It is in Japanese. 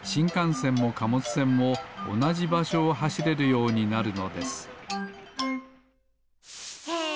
せんもかもつせんもおなじばしょをはしれるようになるのですへえ！